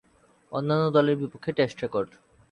অন্যান্য দলের বিপক্ষে টেস্ট রেকর্ড